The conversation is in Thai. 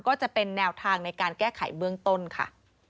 ก็จะเป็นแนวทางในการแก้ไขเบื้องต้นค่ะ